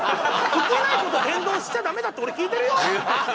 ウケない事を天丼しちゃダメだって俺聞いてるよ？